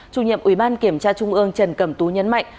chủ nhiệm ubnd kiểm tra trung ương trần cẩm tú nhấn mạnh